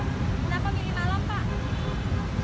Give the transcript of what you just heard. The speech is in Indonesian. kenapa gini malam pak